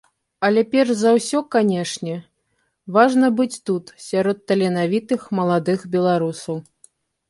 Але перш за ўсё, канечне, важна быць тут, сярод таленавітых маладых беларусаў.